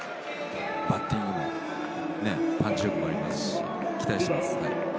バッティングもパンチ力がありますし期待しています。